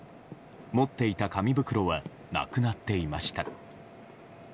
持っていた紙袋はなくなっていました。